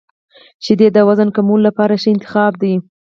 • شیدې د وزن کمولو لپاره ښه انتخاب دي.